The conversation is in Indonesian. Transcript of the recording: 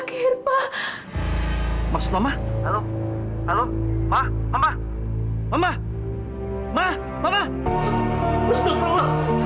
terimakasih beli semua sembilan